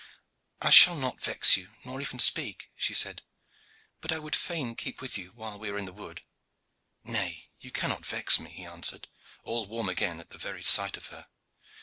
"I shall not vex you, nor even speak," she said; "but I would fain keep with you while we are in the wood." "Nay, you cannot vex me," he answered, all warm again at the very sight of her.